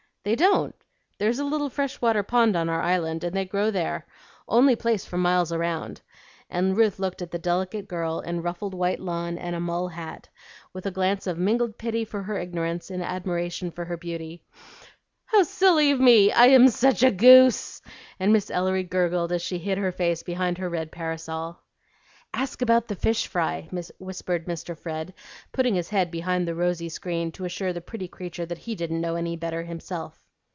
"They don't. There's a little fresh water pond on our island, and they grow there, only place for miles round;" and Ruth looked at the delicate girl in ruffled white lawn and a mull hat, with a glance of mingled pity for her ignorance and admiration for her beauty. "How silly of me! I am SUCH a goose;" and Miss Ellery gurgled as she hid her face behind her red parasol. "Ask about the fish fry," whispered Mr. Fred, putting his head behind the rosy screen to assure the pretty creature that he didn't know any better himself.